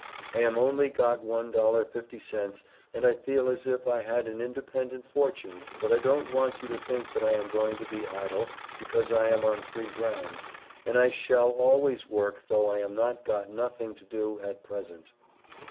I am only got $1.50 and I feel as if I had an independent fortune but I don't want you to think that I am going to be idle because I am on free ground and I shall always work though I am not got nothing to do at present.